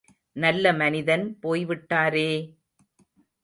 நல்ல மனிதன் போய் விட்டாரே!